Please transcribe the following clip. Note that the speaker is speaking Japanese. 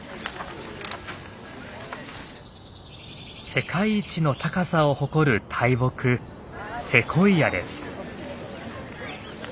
世界一の高さを誇る大木セコイアです。